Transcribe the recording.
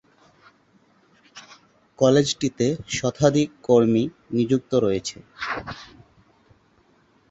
কলেজটিতে শতাধিক কর্মী নিযুক্ত রয়েছে।